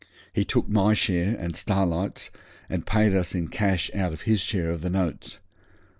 He took my share and Starlight's, and paid us in cash out of his share of the notes.